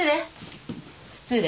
失礼。